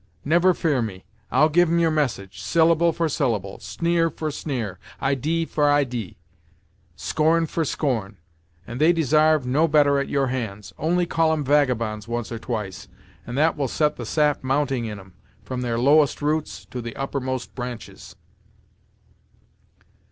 Never fear me; I'll give em your message, syllable for syllable, sneer for sneer, idee for idee, scorn for scorn, and they desarve no better at your hands only call 'em vagabonds, once or twice, and that will set the sap mounting in 'em, from their lowest roots to the uppermost branches!"